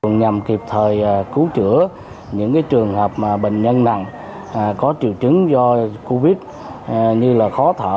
nhằm kịp thời cứu chữa những trường hợp bệnh nhân nặng có triệu chứng do covid như là khó thở